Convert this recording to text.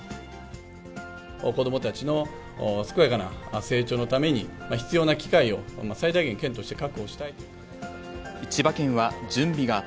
子どもたちの健やかな成長のために、必要な機会を最大限県として確保したいと。